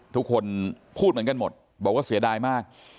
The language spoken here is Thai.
ทุกคนพูดเหมือนกันหมดบอกว่าเสียดายมาก